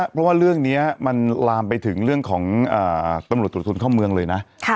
เพราะว่าเรื่องนี้มันลามไปถึงเรื่องของตำรวจตรวจคนเข้าเมืองเลยนะ